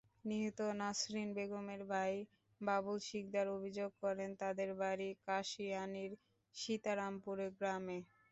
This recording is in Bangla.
নিহত নাসরিন বেগমের ভাই বাবুল সিকদার অভিযোগ করেন, তাঁদের বাড়ি কাশিয়ানীর সিতারামপুর গ্রামে।